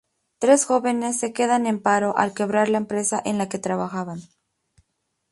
Tres jóvenes se quedan en paro al quebrar la empresa en la que trabajaban.